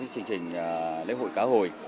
chương trình lễ hội cá hồi